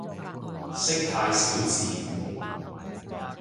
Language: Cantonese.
識太少字